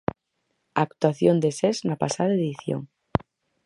Actuación de Sés na pasada edición.